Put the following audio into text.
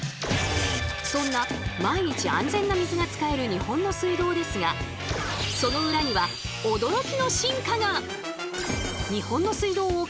そんな毎日安全な水が使える日本の水道ですがその裏には驚きの進化が！